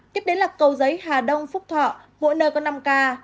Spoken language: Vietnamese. tiếp đến là cầu giấy hà đông phúc thọ mỗi nơi có năm ca